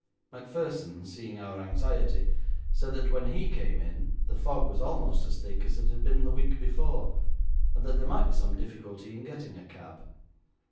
Macpherson, seeing our anxiety, said that when he came in the fog was almost as thick as it had been the week before, and that there might be some difficulty in getting a cab.